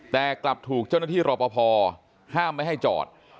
แต่กลับถูกเจ้าหน้าที่รอปภห้ามไม่ให้จอด